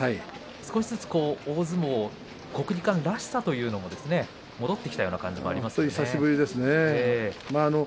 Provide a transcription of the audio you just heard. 少しずつ大相撲国技館らしさというのも戻ってきたような感じが本当に久しぶりですね。